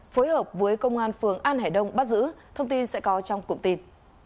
phối hợp với công an phường an hải đông bắt giữ thông tin sẽ có trong cụm tin